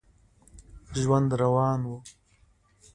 ژوند روان و.